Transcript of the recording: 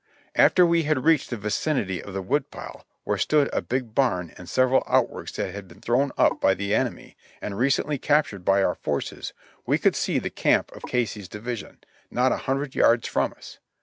Af ;:er we had reached the vicinity of the wood pile, where stood a big barn and several outworks that had been thrown up by the enemy and recently captured by our forces, we could see the camp of Casey's division, not a hundred yards from us.